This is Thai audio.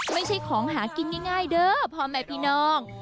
ไม่ใช่ของหากินง่ายเดอะพร้อมไหมพี่น้อง